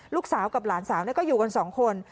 ลูกสาวกับหลานสาวก็อยู่กันสองคน